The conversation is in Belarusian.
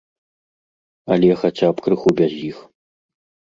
Але, хаця б, крыху без іх.